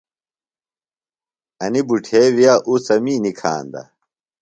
انیۡ بُٹھے وِیہ اُڅَمی نِکھاندہ۔